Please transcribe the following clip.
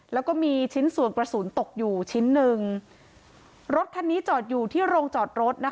แล้วก็มีชิ้นส่วนกระสุนตกอยู่ชิ้นหนึ่งรถคันนี้จอดอยู่ที่โรงจอดรถนะคะ